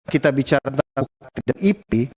kita bicara tentang ukt dan ip